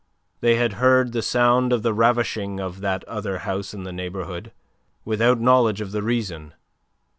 They had heard the sound of the ravishing of that other house in the neighbourhood, without knowledge of the reason.